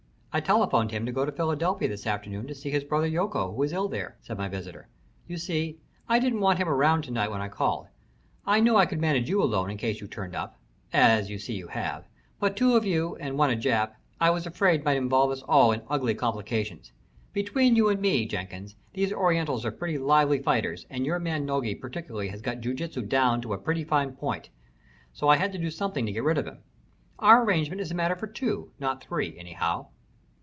"I telephoned him to go to Philadelphia this afternoon to see his brother Yoku, who is ill there," said my visitor. "You see, I didn't want him around to night when I called. I knew I could manage you alone in case you turned up, as you see you have, but two of you, and one a Jap, I was afraid might involve us all in ugly complications. Between you and me, Jenkins, these Orientals are pretty lively fighters, and your man Nogi particularly has got jiu jitsu down to a pretty fine point, so I had to do something to get rid of him. Our arrangement is a matter for two, not three, anyhow."